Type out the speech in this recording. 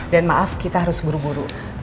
maaf kita harus buru buru